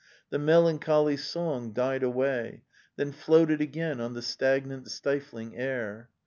The melancholy song died away, then floated again on the stagnant stifling air.